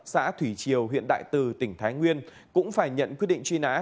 xã thủy triều huyện đại từ tỉnh thái nguyên cũng phải nhận quyết định truy nã